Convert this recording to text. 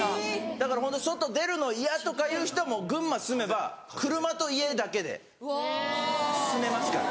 だから外出るの嫌とかいう人も群馬住めば車と家だけで住めますから。